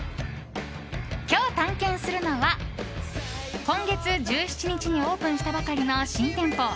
今日探検するのは、今月１７日にオープンしたばかりの新店舗。